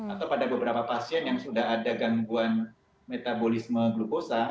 atau pada beberapa pasien yang sudah ada gangguan metabolisme glukosa